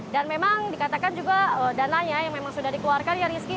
dan memang dikatakan juga dananya yang memang sudah dikeluarkan ya rizky